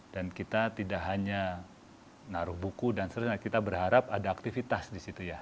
dan kita tidak hanya naruh buku dan sering lain kita berharap ada aktivitas di situ ya